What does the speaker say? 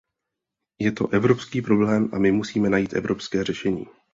Je to evropský problém a my musíme najít evropské řešení.